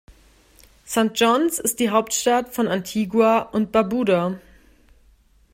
St. John’s ist die Hauptstadt von Antigua und Barbuda.